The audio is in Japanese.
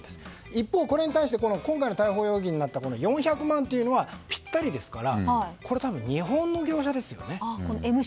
一方、今回の逮捕容疑になった４００万というのはぴったりですから多分、日本の業者ですよね。